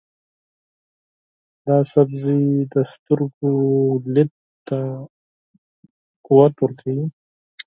دا سبزی د سترګو دید ته قوت ورکوي.